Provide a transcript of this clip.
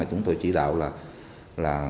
chúng tôi chỉ đạo là